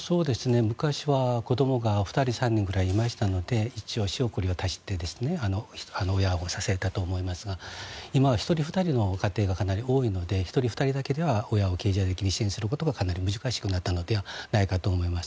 昔は子供が２人、３人ぐらいいましたので一応、仕送りを出して親はさせたと思いますが今は１人、２人の家庭がかなり多いので１人、２人だけでは親を経済的に支援することが難しくなったのではないかと思います。